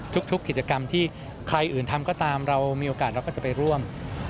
ทุกกิจกรรมที่ใครอื่นทำก็ตามเรามีโอกาสเราก็จะไปร่วม